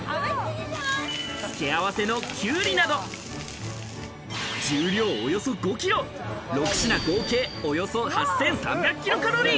付け合わせのきゅうりなど、重量およそ５キロ、６品合計およそ８３００ｋｃａｌ。